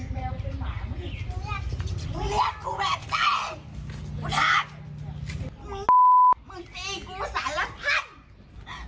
มึงมึงตีกูสารพันธุ์